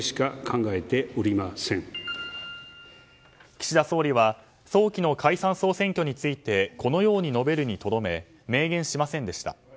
岸田総理は早期の解散・総選挙についてこのように述べるにとどめ明言しませんでした。